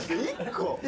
１個？